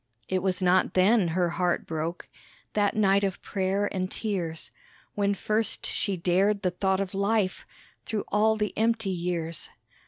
It was not then her heart broke That night of prayer and tears When first she dared the thought of life Through all the empty years.